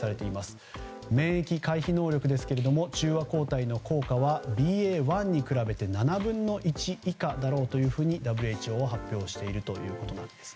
免疫回避能力ですが中和抗体の効果はＢＡ．１に比べて７分の１以下だろうとＷＨＯは発表しているということです。